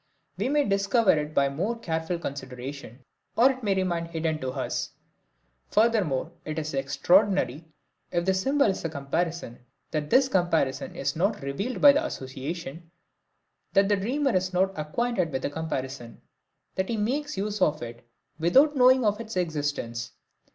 We may discover it by more careful consideration, or it may remain hidden to us. Furthermore, it is extraordinary, if the symbol is a comparison, that this comparison is not revealed by the association, that the dreamer is not acquainted with the comparison, that he makes use of it without knowing of its existence.